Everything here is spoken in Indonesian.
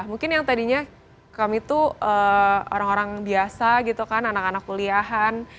mungkin yang tadinya kami tuh orang orang biasa gitu kan anak anak kuliahan